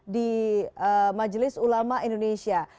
di majelis ulama indonesia